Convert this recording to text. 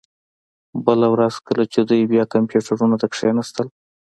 بله ورځ کله چې دوی بیا کمپیوټرونو ته کښیناستل